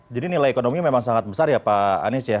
jadi nilai ekonomi memang sangat besar ya pak anies ya